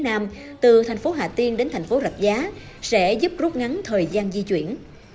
nam từ thành phố hà tiên đến thành phố rạch giá sẽ giúp rút ngắn thời gian di chuyển